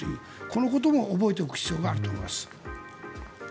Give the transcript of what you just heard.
このことも覚えておく必要があると思います。